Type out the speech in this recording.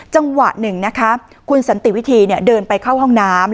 จังหวะหนึ่งนะคะคุณสันติวิธีเดินไปเข้าห้องน้ำ